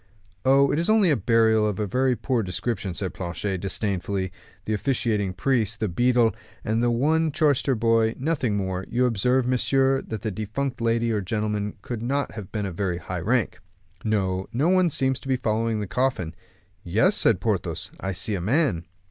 "Oh, it is only a burial of a very poor description," said Planchet, disdainfully; "the officiating priest, the beadle, and only one chorister boy, nothing more. You observe, messieurs, that the defunct lady or gentleman could not have been of very high rank." "No; no one seems to be following the coffin." "Yes," said Porthos; "I see a man."